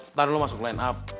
ntar dulu masuk line up